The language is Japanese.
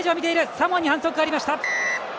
サモアに反則がありました。